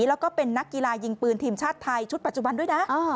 แล้วก็เป็นนักกีฬายิงปืนทีมชาติไทยชุดปัจจุบันด้วยนะ